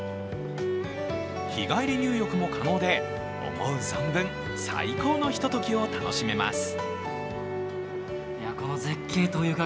日帰り入浴も可能で、思う存分最高のひとときを楽しめます。